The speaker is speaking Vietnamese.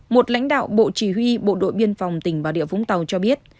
một lãnh đạo bộ chỉ huy bộ đội biên phòng tỉnh bà rịa vũng tàu cho biết